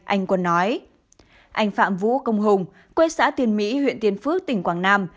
anh phạm vũ công hùng quê xã tiền mỹ huyện tiền phước tỉnh quảng nam